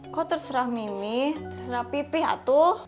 kok terserah mimi terserah pipih atuh